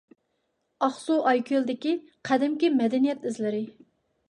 ئاقسۇ ئايكۆلدىكى قەدىمكى مەدەنىيەت ئىزلىرى.